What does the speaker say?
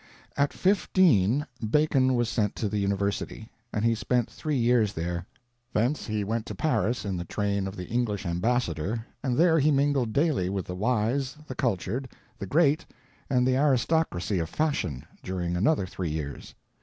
At fifteen Bacon was sent to the university, and he spent three years there. Thence he went to Paris in the train of the English Ambassador, and there he mingled daily with the wise, the cultured, the great, and the aristocracy of fashion, during another three years.